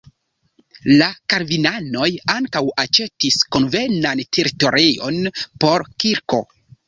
La kalvinanoj ankaŭ aĉetis konvenan teritorion por kirko.